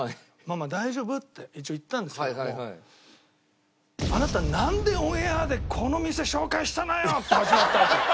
「ママ大丈夫？」って一応言ったんですけれども「あなたなんでオンエアでこの店紹介したのよ！？」って始まったわけ。